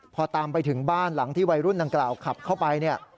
พอตามไปถึงบ้านหลังที่วัยรุ่นดังกล่าวขับเข้าไปเนี่ย